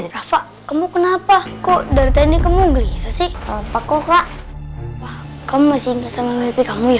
rafa kamu kenapa kok dari tadi kamu gelisah sih pako kak kamu masih inget sama mimpi kamu ya